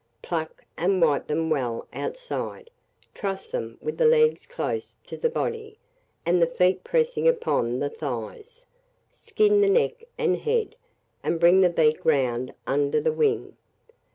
Pluck, and wipe them well outside; truss them with the legs close to the body, and the feet pressing upon the thighs; skin the neck and head, and bring the beak round under the wing.